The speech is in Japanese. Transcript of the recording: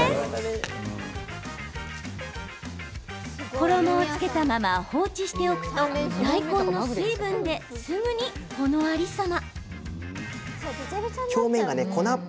衣をつけたまま放置しておくと大根の水分ですぐにこのありさま。